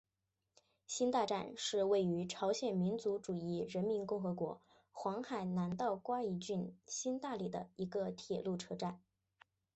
新大站是位于朝鲜民主主义人民共和国黄海南道瓜饴郡新大里的一个铁路车站。